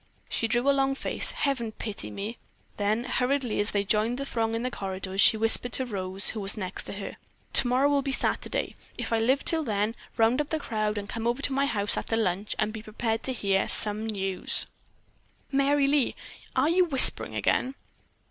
She drew a long face. "Heaven pity me!" Then hurriedly, as they joined the throng in the corridors, she whispered to Rose, who was next to her: "Tomorrow will be Saturday. If I live till then, round up the crowd and come over to my house after lunch and be prepared to hear some news." "Merry Lee, are you whispering again?"